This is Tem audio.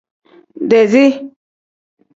Dezii.